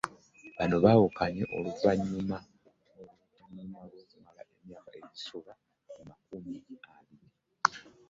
Bano baawukanye oluvannyuma lw'emyaka egisoba mu makumi abiri.